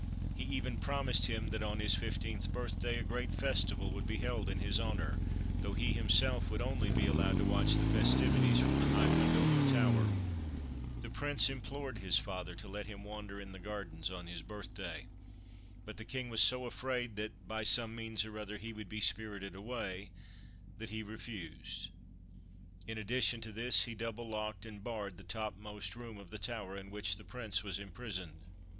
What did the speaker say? He even promised him that, on his fifteenth birthday, a great festival would be held in his honour, though he himself would only be allowed to watch the festivities from the high window of the tower. T 161 THE FIRE BIRD The Prince implored his father to let him wander in the gardens on his birthday ; but the King was so afraid that, by some means or other, he would be spirited away, that he refused. In addition to this, he double locked and barred the topmost room of the tower in which the Prince was imprisoned.